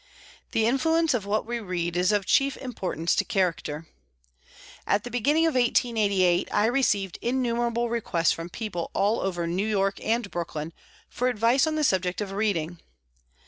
The influence of what we read is of chief importance to character. At the beginning of 1888 I received innumerable requests from people all over New York and Brooklyn for advice on the subject of reading.